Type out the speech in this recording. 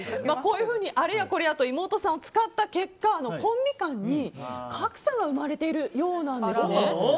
こういうふうにあれやと妹さんを使った結果コンビ間に格差が生まれているようなんですね。